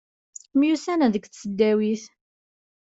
Myussanen deg tesdawit.